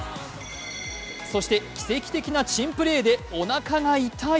そして、奇跡的な珍プレーでおなかが痛い？